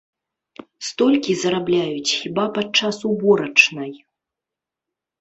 Столькі зарабляюць хіба падчас уборачнай.